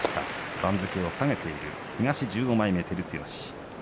番付を下げて東の１５枚目の照強。